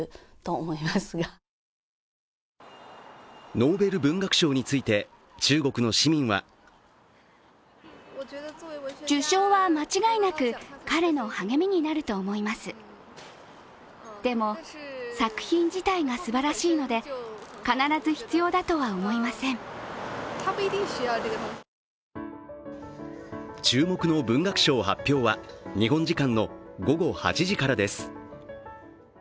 ノーベル文学賞について中国の市民は注目の文学賞発表は日本時間の午後８時からです。